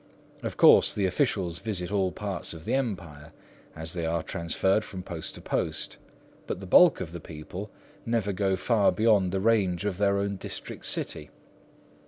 Of course the officials visit all parts of the Empire, as they are transferred from post to post; but the bulk of the people never get far beyond the range of their own district city.